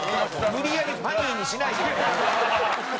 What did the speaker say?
無理やりファニーにしないでよ！